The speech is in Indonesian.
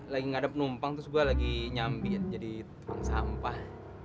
lagi ngadep numpang terus gue lagi nyambit jadi tumpang sampah